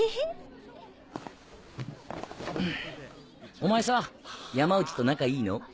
お前さ山内と仲いいの？